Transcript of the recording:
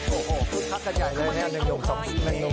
โอ้โหพูดคัทกันใหญ่เลยนางงงสาวนี้